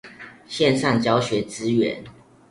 線上教學資源